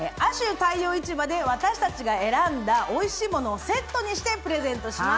太陽市場で私たちが選んだおいしいものをセットにしてプレゼントします。